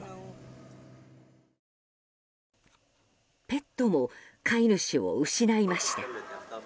ペットも飼い主を失いました。